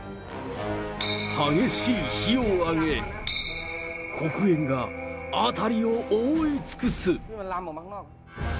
激しい火を上げ、黒煙が辺りを覆い尽くす。